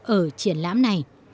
ở triển lãm này